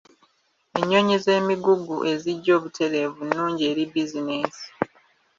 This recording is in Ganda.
Ennyonyi z'emigugu ezijja obutereevu nnungi eri bizinensi.